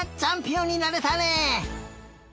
おんになれたね！